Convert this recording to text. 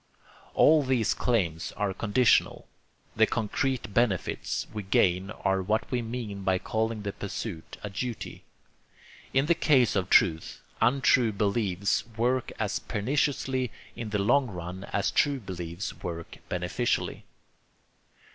All these claims are conditional; the concrete benefits we gain are what we mean by calling the pursuit a duty. In the case of truth, untrue beliefs work as perniciously in the long run as true beliefs work beneficially.